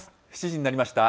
７時になりました。